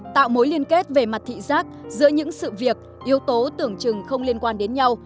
tạo mối liên kết về mặt thị giác giữa những sự việc yếu tố tưởng chừng không liên quan đến nhau